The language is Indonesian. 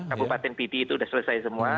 kabupaten pidi itu sudah selesai semua